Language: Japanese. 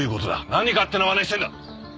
何勝手な真似してんだ！